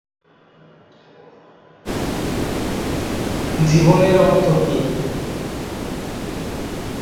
অবসর গ্রহণের পর থেকে তিনি বাংলাদেশে নিরাপত্তা বিশ্লেষক হিসেবে কাজ করছেন।